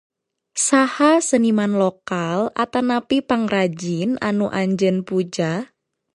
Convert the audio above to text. Saha seniman lokal atanapi pangrajin anu anjeun puja?